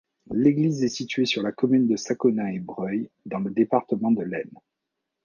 L'église est située sur la commune de Saconin-et-Breuil, dans le département de l'Aisne.